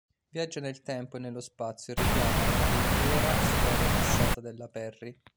Viaggia nel tempo e nello spazio e richiama una veritiera storia passata della Perry.